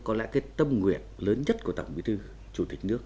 có lẽ cái tâm nguyện lớn nhất của tổng bí thư chủ tịch nước